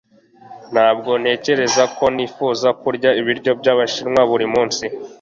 Ntabwo ntekereza ko nifuza kurya ibiryo byabashinwa buri munsi